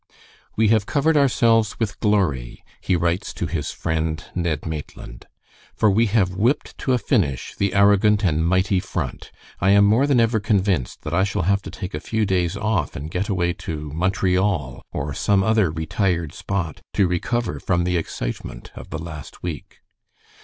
"We have covered ourselves with glory," he writes to his friend Ned Maitland, "for we have whipped to a finish the arrogant and mighty Front. I am more than ever convinced that I shall have to take a few days off and get away to Montreal, or some other retired spot, to recover from the excitement of the last week.